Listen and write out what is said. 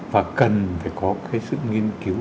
và cần phải có sự nghiên cứu